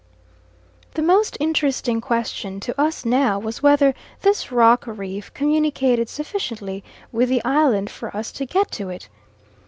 The most interesting question to us now was whether this rock reef communicated sufficiently with the island for us to get to it.